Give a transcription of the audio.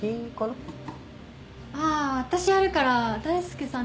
ああ私やるから大輔さん